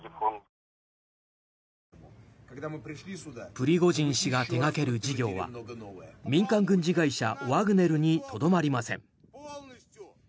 プリゴジン氏が手掛ける事業は民間軍事会社ワグネルにとどまりません。